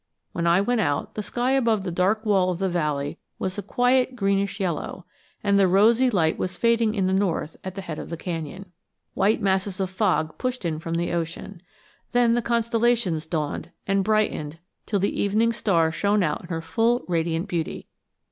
When I went out, the sky above the dark wall of the valley was a quiet greenish yellow, and the rosy light was fading in the north at the head of the canyon. White masses of fog pushed in from the ocean. Then the constellations dawned and brightened till the evening star shone out in her full radiant beauty.